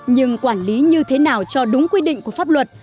nhưng quản lý như thế nào cho đúng quy định của pháp luật